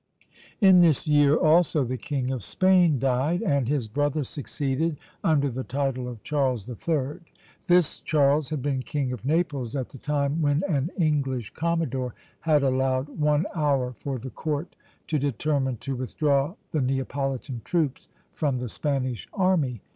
In this year also the King of Spain died, and his brother succeeded, under the title of Charles III. This Charles had been King of Naples at the time when an English commodore had allowed one hour for the court to determine to withdraw the Neapolitan troops from the Spanish army.